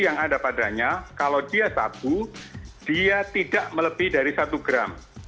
yang ada padanya kalau dia sabu dia tidak melebih dari satu gram